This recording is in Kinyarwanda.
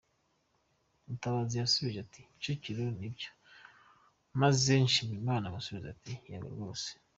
Mutabazi yasubije ati “Kicukiro, ni byo?”, maze Nshimiyimana amusubiza ati “Yego rwose”.